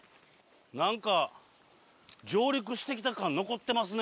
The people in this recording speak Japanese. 何か上陸してきた感残ってますね。